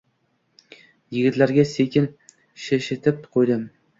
Yigitlarga sekin shipshitib qo’ydim